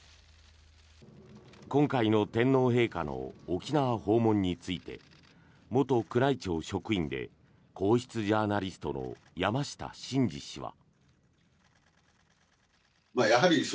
今回の天皇陛下の沖縄訪問について元宮内庁職員で皇室ジャーナリストの山下晋司氏は。